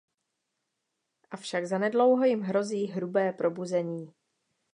Avšak zanedlouho jim hrozí hrubé probuzení.